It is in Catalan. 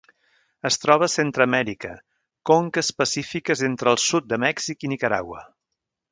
Es troba a Centreamèrica: conques pacífiques entre el sud de Mèxic i Nicaragua.